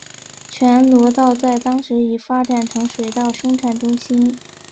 全罗道在当时已发展成水稻生产中心。